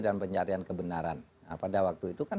dan pencarian kebenaran pada waktu itu kan